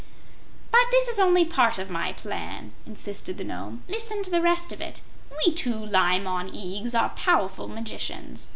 "But this is only part of my plan," insisted the Nome. "Listen to the rest of it. We two Li Mon Eags are powerful magicians.